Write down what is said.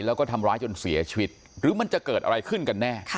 แล้วก็ทำร้ายจนเสียชีวิตหรือมันจะเกิดอะไรขึ้นกันแน่